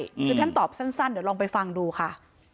คือท่านตอบสั้นเดี๋ยวลองไปฟังดูค่ะ